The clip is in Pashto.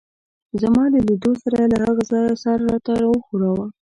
زما له لیدو سره يې له هغه ځایه سر راته وښوراوه.